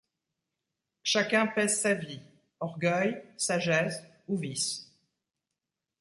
Chacun pèse sa vie ; orgueil, sagesse ou vice.